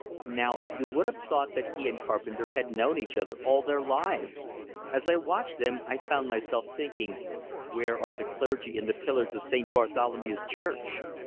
Now you would have thought that he and Carpenter had known each other all their lives; as I watched them, I found myself thinking: "Where are the clergy and the pillars of St. Bartholomew's Church?"